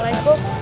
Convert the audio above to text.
tunggu aku berokat